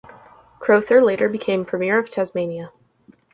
Crowther later became Premier of Tasmania.